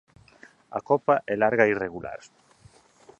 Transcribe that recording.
A copa é larga e irregular.